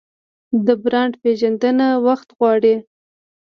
د برانډ پیژندنه وخت غواړي.